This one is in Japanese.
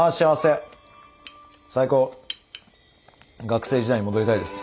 学生時代に戻りたいです。